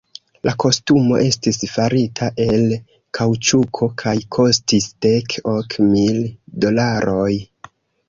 La kostumo estis farita el kaŭĉuko kaj kostis dek ok mil dolaroj.